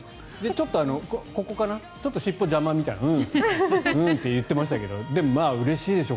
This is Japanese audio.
ここかな尻尾邪魔みたいなうん、うんって言ってましたけどでもうれしいでしょう